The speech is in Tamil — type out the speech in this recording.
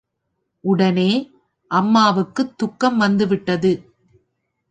உடனே, அம்மாவுக்குத் தூக்கம் வந்து விட்டது.